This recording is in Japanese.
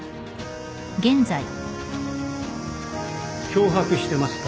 脅迫してますか？